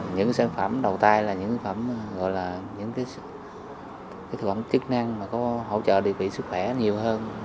những sản phẩm đầu tay là những sản phẩm chức năng có hỗ trợ địa vị sức khỏe nhiều hơn